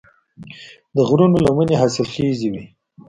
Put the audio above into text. د غرونو لمنې حاصلخیزې وي.